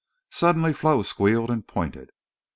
Suddenly Flo squealed and pointed.